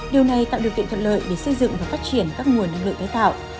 điều này tạo điều kiện thuận lợi để xây dựng và phát triển các nguồn năng lượng tái tạo